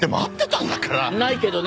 ないけどね。